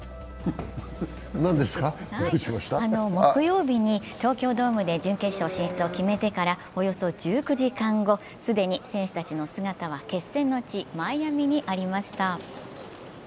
木曜日に東京ドームで準決勝進出を決めてからおよそ１９時間後既に選手たちの姿は決戦の地・マイアミにありました。